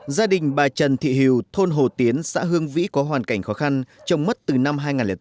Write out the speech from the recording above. gia đình bà trần thị hu thôn hồ tiến xã hương vĩ có hoàn cảnh khó khăn trồng mất từ năm hai nghìn bốn